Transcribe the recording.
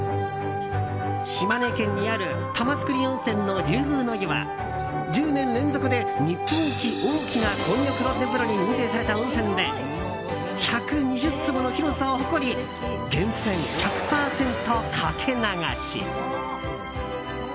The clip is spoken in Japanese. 島根県にある玉造温泉の龍宮の湯は１０年連続で、日本一大きな混浴露天風呂に認定された温泉で１２０坪の広さを誇り源泉１００％かけ流し。